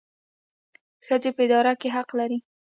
ښځې په اداره کې حق لري